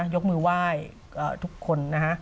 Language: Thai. ยกมือไหว้ทุกคนนะฮะ